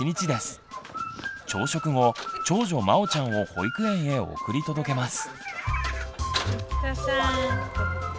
朝食後長女まおちゃんを保育園へ送り届けます。